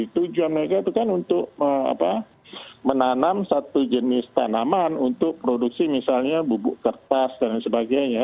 tujuan mereka itu kan untuk menanam satu jenis tanaman untuk produksi misalnya bubuk kertas dan sebagainya